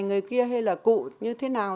người kia hay là cụ như thế nào